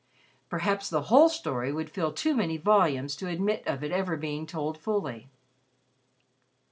Perhaps the whole story would fill too many volumes to admit of it ever being told fully.